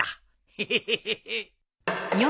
ヘヘヘヘヘ。